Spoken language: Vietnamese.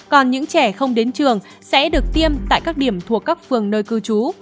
còn những trẻ không đến trường sẽ được tiêm tại các điểm thuộc các phường nơi cư trú